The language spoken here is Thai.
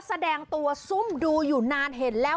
แสดงตัวซุ่มดูอยู่นานเห็นแล้ว